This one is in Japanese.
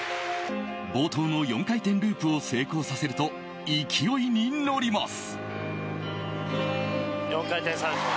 冒頭の４回転ループを成功させると勢いに乗ります。